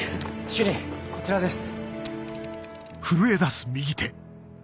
主任こちらです。